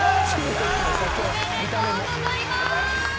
おめでとうございます！